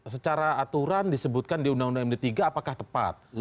secara aturan disebutkan di undang undang md tiga apakah tepat